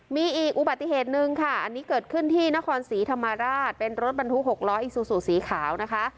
มีอีกอุบัติเหตุหนึ่งค่ะอันนี้เกิดขึ้นที่นครศรีธรรมราชเป็นรถบรรทุก๖ล้ออีซูซูสีขาวนะคะ